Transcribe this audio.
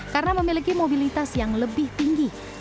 karena memiliki mobilitas yang lebih berkualitas